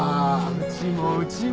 うちもうちも。